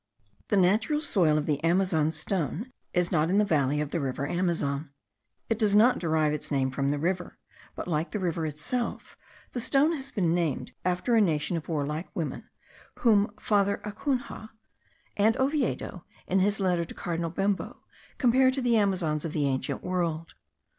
The natural soil of the Amazon stone is not in the valley of the river Amazon. It does not derive its name from the river, but like the river itself, the stone has been named after a nation of warlike women, whom Father Acunha, and Oviedo, in his letter to cardinal Bembo, compare to the Amazons of the ancient world.